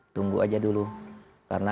tunggu aja dulu karena